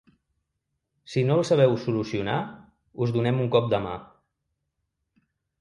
Si no el sabeu solucionar, us donem un cop de mà.